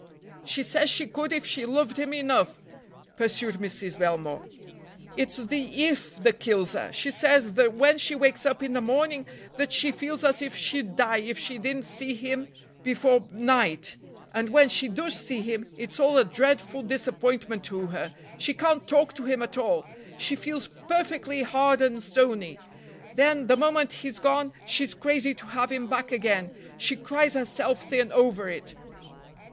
"She says she could if she loved him enough," pursued Mrs. Belmore. "It's the if that kills her. She says that when she wakes up in the morning that she feels as if she'd die if she didn't see him before night, and when she does see him it's all a dreadful disappointment to her; she can't talk to him at all, she feels perfectly hard and stony; then, the moment he's gone, she's crazy to have him back again. She cries herself thin over it."